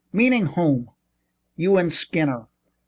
"Meaning whom?" "You and Skinner."